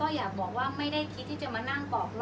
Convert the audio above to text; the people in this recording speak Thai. อันไหนที่มันไม่จริงแล้วอาจารย์อยากพูด